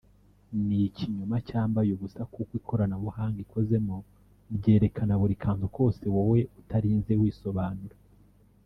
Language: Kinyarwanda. ni ikinyoma cyambaye ubusa kuko ikoranabuhanga ikozemo ryekana buri kantu kose wowe utarinze wisobanura